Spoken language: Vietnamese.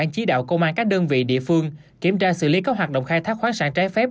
chỉ đạo công an các đơn vị địa phương kiểm tra xử lý các hoạt động khai thác khoáng sản trái phép